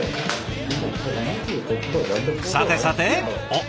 さてさておっ！